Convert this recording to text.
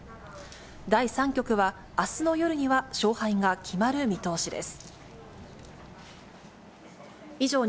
第３局は、あすの夜には勝敗が決まる見通しです。